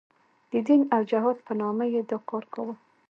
د دین او جهاد په نامه یې دا کار کاوه.